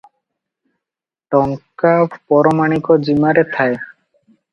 ଟଙ୍କା ପରମାଣିକ ଜିମାରେ ଥାଏ ।